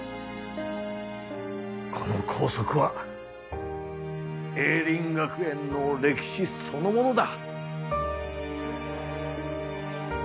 この校則は栄林学園の歴史そのものだ。